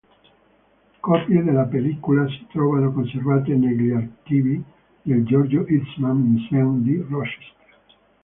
Copie della pellicola si trovano conservate negli archivi del George Eastman Museum di Rochester.